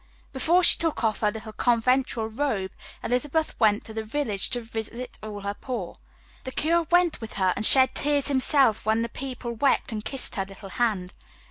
Before she took off her little conventual robe, Elizabeth went to the village to visit all her poor. The curé went with her and shed tears himself when the people wept and kissed her little hand.